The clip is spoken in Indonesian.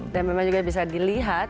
dan memang juga bisa dilihat